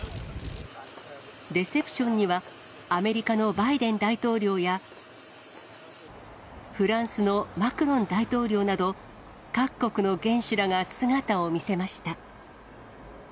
レセプションには、アメリカのバイデン大統領や、フランスのマクロン大統領など、各国の元首らが姿を見せました。